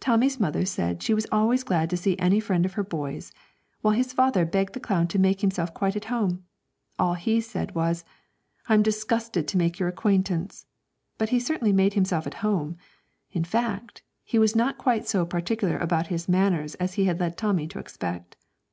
Tommy's mother said she was always glad to see any friend of her boy's, while his father begged the clown to make himself quite at home. All he said was, 'I'm disgusted to make your acquaintance;' but he certainly made himself at home in fact, he was not quite so particular about his manners as he had led Tommy to expect.